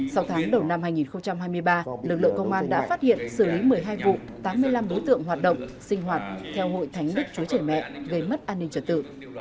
sau tháng đầu năm hai nghìn hai mươi ba lực lượng công an đã phát hiện xử lý một mươi hai vụ tám mươi năm đối tượng hoạt động sinh hoạt theo hội thánh đức chúa trời mẹ gây mất an ninh trật tự